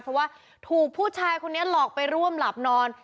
เพราะว่าถูกผู้ชายคนนี้หลอกไปร่วมหลับนอน